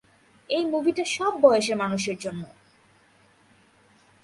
এই মুভিটা সব বয়সের মানুষের জন্য!